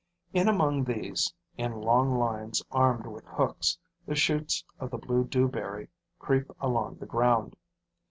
In among these, in long lines armed with hooks, the shoots of the blue dewberry creep along the ground.